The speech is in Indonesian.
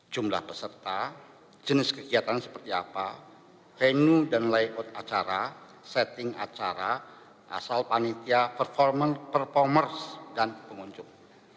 jumlah peserta jenis kegiatan seperti apa venue dan layout acara setting acara asal panitia performance performers dan pengunjung